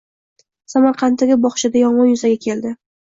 Samarqanddagi bog‘chada yong‘in yuzaga keldi